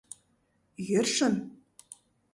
Йӧршын?